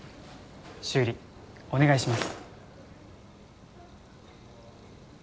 修理お願いします！